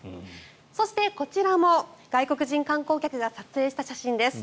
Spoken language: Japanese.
そして、こちらも外国人観光客が撮影した写真です。